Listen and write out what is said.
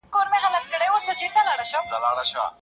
هغه راسره ناسته وه.